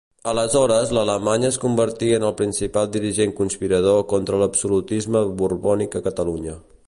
Aleshores, l'alemany es convertí en el principal dirigent conspirador contra l'absolutisme borbònic a Catalunya.